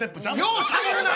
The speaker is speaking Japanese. ようしゃべるな！